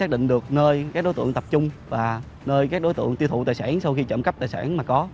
xác định được nơi các đối tượng tập trung và nơi các đối tượng tiêu thụ tài sản sau khi trộm cắp tài sản mà có